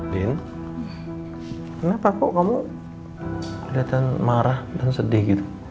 bin kenapa kok kamu kelihatan marah dan sedih gitu